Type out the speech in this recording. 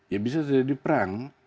ya bisa terjadi perang